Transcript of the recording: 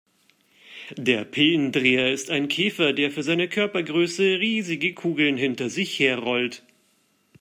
Der Pillendreher ist ein Käfer, der für seine Körpergröße riesige Kugeln hinter sich her rollt.